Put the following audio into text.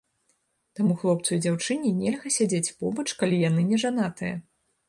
Таму хлопцу і дзяўчыне нельга сядзець побач, калі яны не жанатыя.